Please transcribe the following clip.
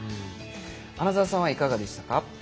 穴澤さんはいかがでしたか。